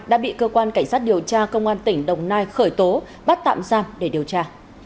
đã điều tra công an tỉnh đồng nai khởi tố bắt tạm giam để điều tra